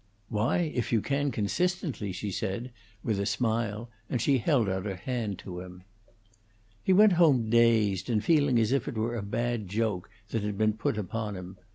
"Why, if you can consistently," she said, with a smile, and she held out her hand to him. He went home dazed, and feeling as if it were a bad joke that had been put upon him.